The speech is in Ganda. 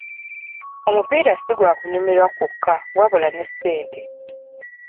Omupiira si gwa kunyumirwa kwokka wabula ne ssente.